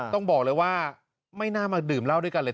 ต้องบอกเลยว่าไม่น่ามาดื่มเหล้าด้วยกันเลย